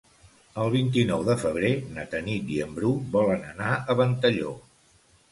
El vint-i-nou de febrer na Tanit i en Bru volen anar a Ventalló.